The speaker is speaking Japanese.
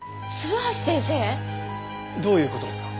どういう事ですか？